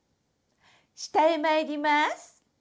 したへまいりまーす。